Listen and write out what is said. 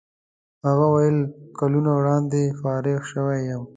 هغه وویل کلونه وړاندې فارغ شوی یم.